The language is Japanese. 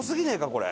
これ。